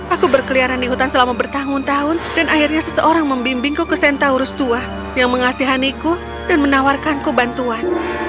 aku berkeliaran di hutan selama bertahun tahun dan akhirnya seseorang membimbingku ke sentaurus tua yang mengasihaniku dan menawarkanku bantuan